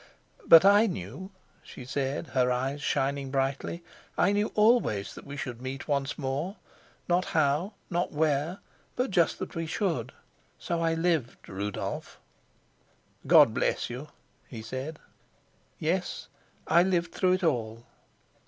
"But I knew," she said, her eyes shining brightly; "I knew always that we should meet once more. Not how, nor where, but just that we should. So I lived, Rudolf." "God bless you!" he said. "Yes, I lived through it all."